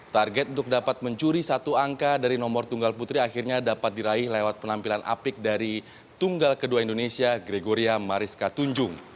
target untuk dapat mencuri satu angka dari nomor tunggal putri akhirnya dapat diraih lewat penampilan apik dari tunggal kedua indonesia gregoria mariska tunjung